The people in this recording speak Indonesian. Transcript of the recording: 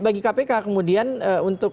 bagi kpk kemudian untuk